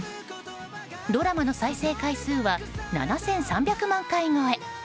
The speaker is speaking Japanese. ドラマの再生回数は７３００万回超え。